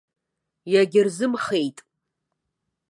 Иагьырзымхеит.